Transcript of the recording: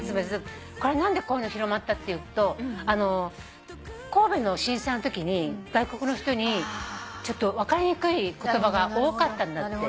これ何でこういうの広まったっていうと神戸の震災のときに外国の人に分かりにくい言葉が多かったんだって。